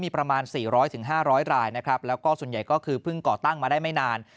มีประมาณ๔๐๐๕๐๐รายนะครับแล้วก็ส่วนใหญ่ก็คือเพิ่งก่อตั้งมาได้ไม่นาน